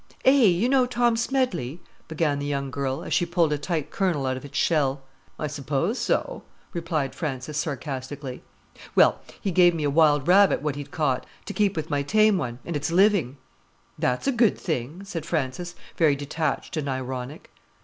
"Eh, you know Tom Smedley?" began the young girl, as she pulled a tight kernel out of its shell. "I suppose so," replied Frances sarcastically. "Well, he gave me a wild rabbit what he'd caught, to keep with my tame one—and it's living." "That's a good thing," said Frances, very detached and ironic.